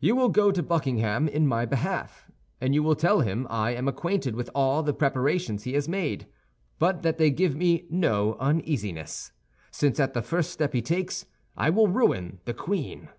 "You will go to Buckingham in my behalf, and you will tell him I am acquainted with all the preparations he has made; but that they give me no uneasiness, since at the first step he takes I will ruin the queen."